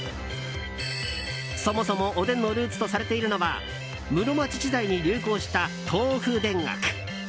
そもそもおでんのルーツとされているのは室町時代に流行した豆腐田楽。